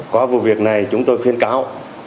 qua vụ việc này chúng tôi khuyên cáo